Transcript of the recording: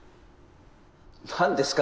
何ですか？